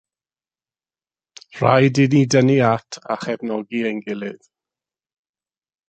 Rhaid i ni dynnu at a chefnogi ein gilydd.